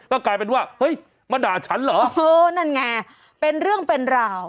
ก็กลายเป็นว่าเฮ้ยมาด่าฉันเหรอเออนั่นไงเป็นเรื่องเป็นราว